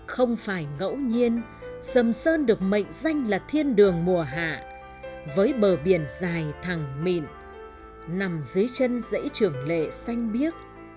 không phải ngẫu nhiên sầm sơn được mệnh danh là thiên đường mùa hạ với bờ biển dài thẳng mịn nằm dưới chân dãy trường lệ xanh biếc